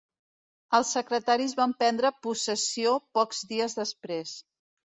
Els secretaris van prendre possessió pocs dies després.